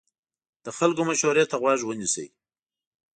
د خلکو مشورې ته غوږ ونیسئ.